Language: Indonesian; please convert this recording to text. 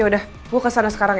ya udah gue kesana sekarang ya